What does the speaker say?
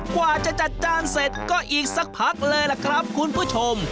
กว่าจะจัดจานเสร็จก็อีกสักพักเลยล่ะครับคุณผู้ชม